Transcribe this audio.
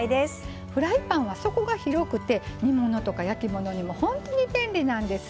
フライパンは底が広くて煮物とか焼き物にもほんとに便利なんです。